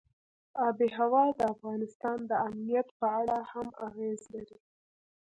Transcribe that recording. آب وهوا د افغانستان د امنیت په اړه هم اغېز لري.